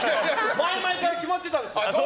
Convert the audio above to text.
前々から決まってたんです。